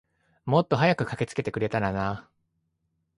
もっと早く駆けつけてくれたらな。